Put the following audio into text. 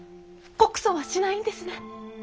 告訴はしないんですね？